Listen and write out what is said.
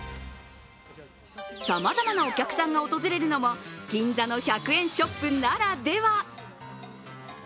さまざまなお客さんが訪れるのも銀座の１００円ショップならでは。